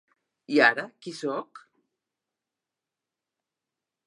I ara, qui sóc?